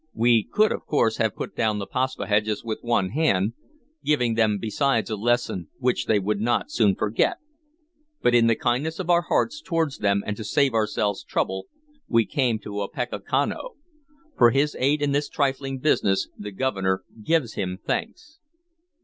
"We could, of course, have put down the Paspaheghs with one hand, giving them besides a lesson which they would not soon forget, but in the kindness of our hearts toward them and to save ourselves trouble we came to Opechancanough. For his aid in this trifling business the Governor gives him thanks."